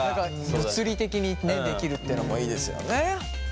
物理的にできるってのもいいですよね。